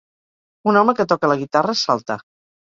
Un home que toca la guitarra salta.